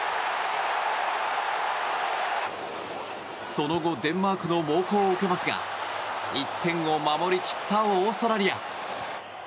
その後デンマークの猛攻を受けますが１点を守り切ったオーストラリア。